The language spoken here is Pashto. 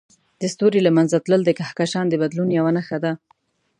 د ستوري له منځه تلل د کهکشان د بدلون یوه نښه ده.